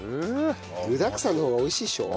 具だくさんの方が美味しいでしょ。